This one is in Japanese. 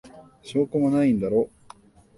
証拠もないんだろ。